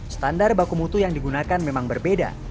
standar bakumutu yang digunakan memang berbeda